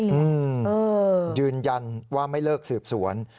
อืมยืนยันว่าไม่เลิกสืบสวน